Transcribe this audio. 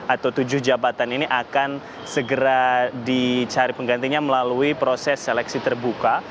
atau tujuh jabatan ini akan segera dicari penggantinya melalui proses seleksi terbuka